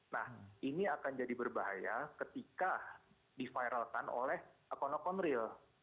nah ini akan jadi berbahaya ketika diviralkan oleh akun akun real